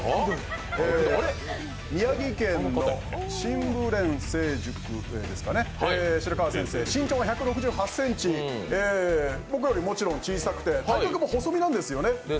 宮城県の神武練成塾の白川先生、身長が１６８ｃｍ、僕よりもちろん小さくて体格も細身なんですよね。